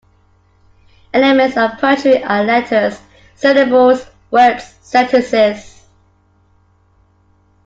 Elements of poetry are letters, syllables, words, sentences.